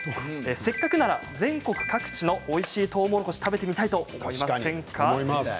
せっかくなら全国各地のおいしいとうもろこし食べてみたいと思いますよね。